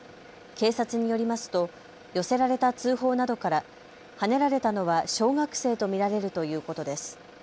警察によりますと寄せられた通報などからはねられたのは小学生と見られるということです。